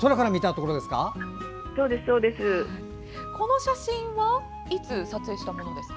この写真はいつ撮影したものですか？